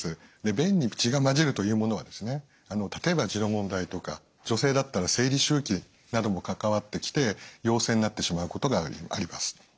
便に血が混じるというものは例えば痔の問題とか女性だったら生理周期なども関わってきて陽性になってしまうことがあります。